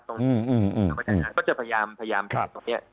ประชาชนก็จะพยายามพยายามขายของเนี่ย